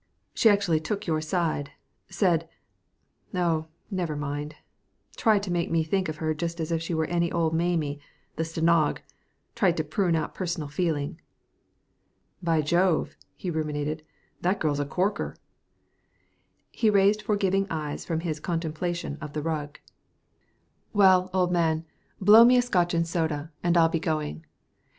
She actually took your side said oh, never mind tried to make me think of her just as if she was any old Mamie the stenog tried to prune out personal feeling." "By Jove," he ruminated, "that girl's a corker!" He raised forgiving eyes from his contemplation of the rug. "Well, old man, blow me to a Scotch and soda, and I'll be going.